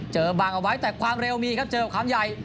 บังเอาไว้แต่ความเร็วมีครับเจอกับความใหญ่